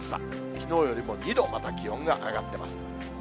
きのうよりも２度、また気温が上がっています。